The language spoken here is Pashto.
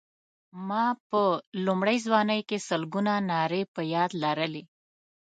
ما په لومړۍ ځوانۍ کې سلګونه نارې په یاد لرلې.